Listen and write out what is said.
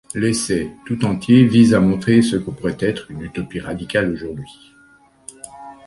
L'essai tout entier vise à montrer ce que pourrait être une utopie radicale aujourd’hui.